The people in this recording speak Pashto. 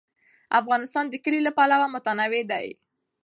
افغانستان د کلي له پلوه متنوع دی.